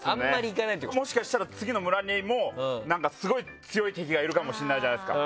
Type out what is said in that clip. もしかしたら次の村にもすごい強い敵がいるかもしれないじゃないですか。